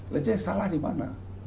lajar yang salah di mana